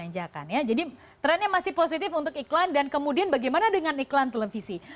jadi trennya masih positif untuk iklan dan kemudian bagaimana dengan iklan televisi